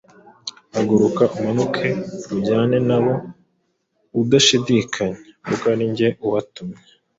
Haguruka umanuke ujyane nabo udashidikanya, kuko ari jye ubatumye.